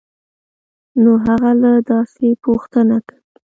نو هغه کله داسې پوښتنه کوي؟؟